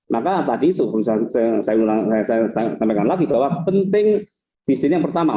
maka tadi itu saya sampaikan lagi bahwa penting di sini yang pertama